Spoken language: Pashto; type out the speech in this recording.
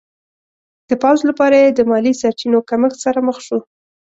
د پوځ لپاره یې د مالي سرچینو کمښت سره مخ شو.